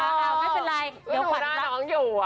ก็คือดูหน้าน้องอยู่